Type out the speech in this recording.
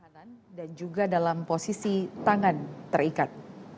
dan juga dalam posisi tangan terikat